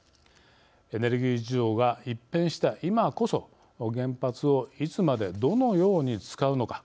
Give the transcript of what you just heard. エネルギー事情が一変した今こそ原発をいつまで、どのように使うのか。